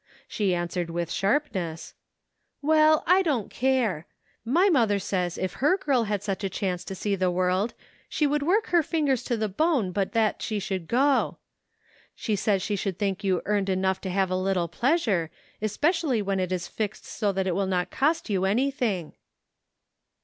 She answered with sharpness : "Well, I don't care, my mother says if her girl had such a chance to see the world she would work her fingers to the bone but that she should go. She says she should think you earned enough to have a little pleasure, espe cially when it is fixed so it will not cost you anything."